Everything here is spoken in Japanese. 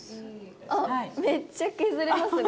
あっめっちゃ削れますね。